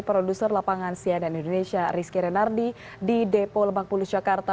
produser lapangan cnn indonesia rizky renardi di depo lebak bulus jakarta